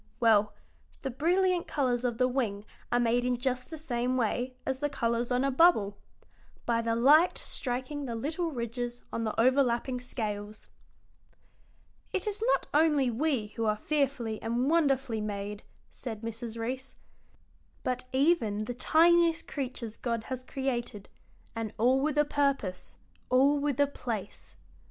Well, the brilliant colors of the wing are made in just the same way as the colors on a bubble: by the light striking the little ridges on the overlapping scales." "It is not only we who are fearfully and wonderfully made," said Mrs. Reece, "but even the tiniest creatures God has created, and all with a purpose, all with a place."